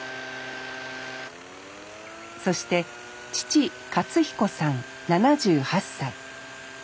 そして父勝彦さん７８歳。